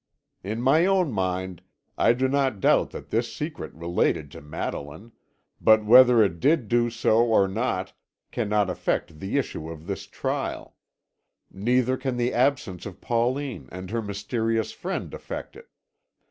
"In my own mind I do not doubt that this secret related to Madeline, but whether it did do so or not cannot affect the issue of this trial; neither can the absence of Pauline and her mysterious friend affect it.